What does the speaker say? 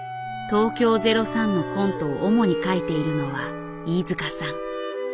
東京０３のコントを主に書いているのは飯塚さん。